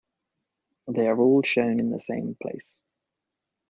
They are all shown in the same place.